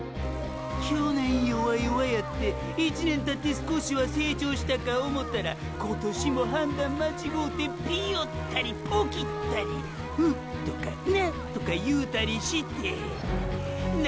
去年弱々やって一年たって少しは成長したか思うたら今年も判断間違うてピヨったりポキったり「う」とか「な」とか言うたりしてェなんも変わっとらんキミがァ！！